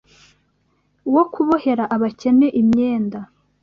wo kubohera abakene imyenda